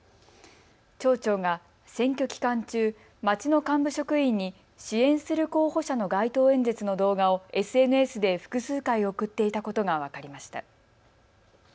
町長が選挙期間中、町の幹部職員に支援する候補者の街頭演説の動画をＳＮＳで複数回送っていたことが分かりました。